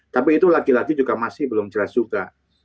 tapi itu lagi lagi juga masih belum jelas juga